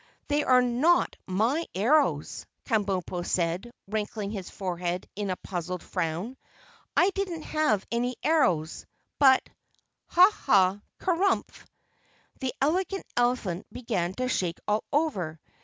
"They're not MY arrows," Kabumpo said, wrinkling his forehead in a puzzled frown. "I didn't have any arrows, but Ha, Ha, Kerumph!" The Elegant Elephant began to shake all over.